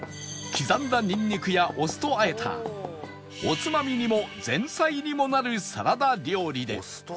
刻んだニンニクやお酢とあえたおつまみにも前菜にもなるサラダ料理です